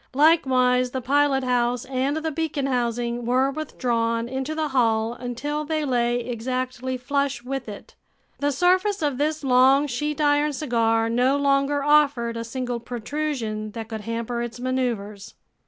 Likewise the pilothouse and the beacon housing were withdrawn into the hull until they lay exactly flush with it. The surface of this long sheet iron cigar no longer offered a single protrusion that could hamper its maneuvers.